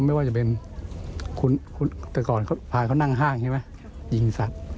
ไม่ว่าจะเป็นคุณแต่ก่อนพาเขานั่งห้างใช่ไหมยิงสัตว์